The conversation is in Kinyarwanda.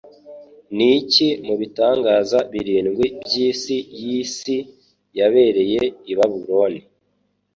Niki Mubitangaza Birindwi Byisi Yisi Yabereye i Babiloni?